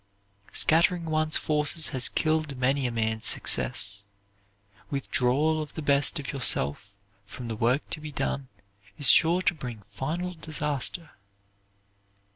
Scattering one's forces has killed many a man's success. Withdrawal of the best of yourself from the work to be done is sure to bring final disaster.